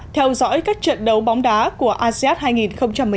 theo dõi các trận đấu bóng đá của asean hai nghìn một mươi chín